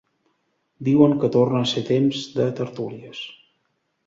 Diuen que torna a ser temps de tertúlies.